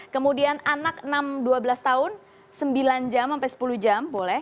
kemudian anak enam dua belas tahun sembilan jam sampai sepuluh jam boleh